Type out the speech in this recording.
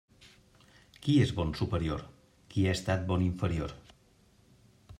Qui és bon superior? Qui ha estat bon inferior.